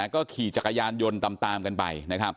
ก็ขี่จักรยานยนต์ตามกันไป